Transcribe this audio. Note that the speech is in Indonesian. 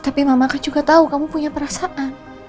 tapi mama kan juga tau kamu punya perasaan